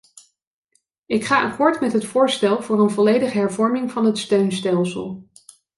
Ik ga akkoord met het voorstel voor een volledige hervorming van het steunstelsel.